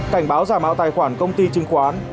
cảnh báo giả mạo tài khoản công ty chứng khoán